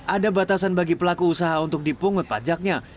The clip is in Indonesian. ada batasan bagi pelaku usaha untuk dipungut pajaknya